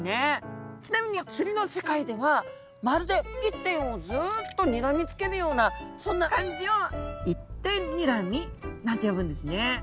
ちなみに釣りの世界ではまるで一点をずっとにらみつけるようなそんな感じを「一点にらみ」なんて呼ぶんですね。